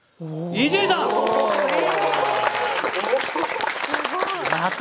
伊集院さんこれ。